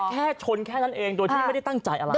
แค่ชนแค่นั้นเองโดยที่ไม่ได้ตั้งใจอะไร